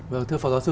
vâng thưa phó giáo sư